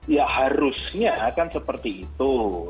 ya harusnya kan seperti itu